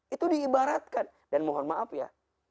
itu diibaratkan dan mohon maaf ya